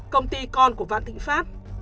công ty con của vạn thịnh pháp